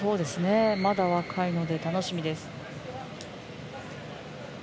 まだ若いので楽しみです。